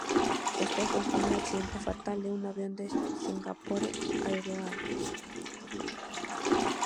Este fue el primer accidente fatal de un avión de Singapore Airlines.